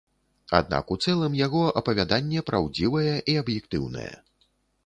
Аднак у цэлым яго апавяданне праўдзівае і аб'ектыўнае.